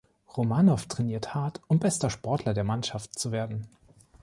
Romanoff trainiert hart, um bester Sportler der Mannschaft zu werden.